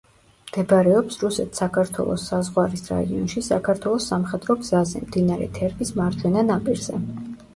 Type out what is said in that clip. მდებარეობს რუსეთ-საქართველოს საზღვარის რაიონში, საქართველოს სამხედრო გზაზე, მდინარე თერგის მარჯვენა ნაპირზე.